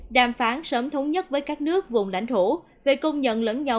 đàm phán sớm thống nhất với các nước vùng lãnh thổ về công nhận lẫn nhau